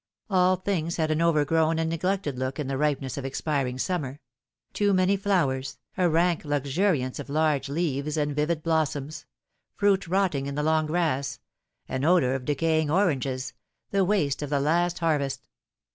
All things had an overgrown and neglected look in the ripeness of expiring summer ; too many flowers, a rank luxuri ance of large leaves and vivid blossoms fruit rotting in the long grass an odour of decaying oranges, the waste of the last harvest.